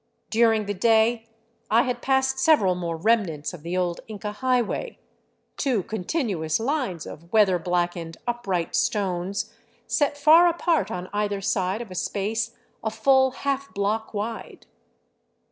During the day I had passed several more remnants of the old Inca highway, two con tinuous lines of weather blackened upright stones set far apart on either side of a space a full half block wide.